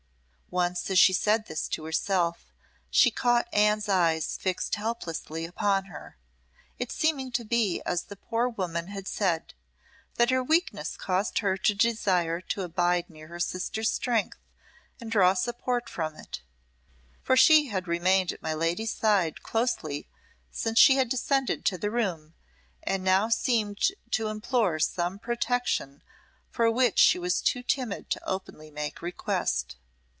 Once as she said this to herself she caught Anne's eyes fixed helplessly upon her, it seeming to be as the poor woman had said, that her weakness caused her to desire to abide near her sister's strength and draw support from it; for she had remained at my lady's side closely since she had descended to the room, and now seemed to implore some protection for which she was too timid to openly make request.